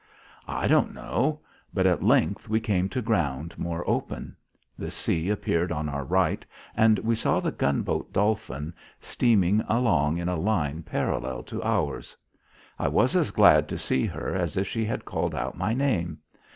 I don't know. But at length we came to ground more open. The sea appeared on our right, and we saw the gunboat Dolphin steaming along in a line parallel to ours. I was as glad to see her as if she had called out my name.